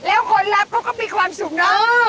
แล้วคนรับก็มีความสุขนะ